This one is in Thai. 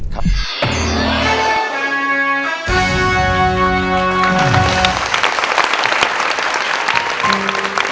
คุณสวัสดิ์